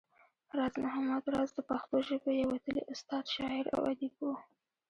راز محمد راز د پښتو ژبې يو وتلی استاد، شاعر او اديب وو